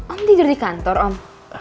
om tidur di kantor om